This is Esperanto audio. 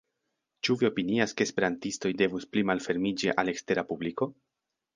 Ĉu vi opinias ke esperantistoj devus pli malfermiĝi al ekstera publiko?